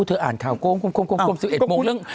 เธออ่านข่าวก้ม๑๑โมง